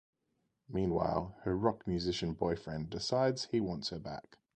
Meanwhile, her rock musician boyfriend decides he wants her back.